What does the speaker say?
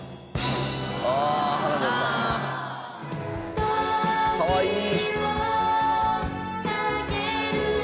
「ああ原田さん」「かわいい！」